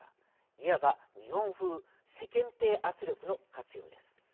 いわば日本風世間体圧力の活用です。